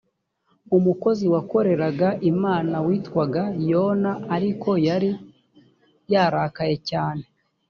umukozi wakoreraga imana witwaga yona ariko yari yarakaye cyane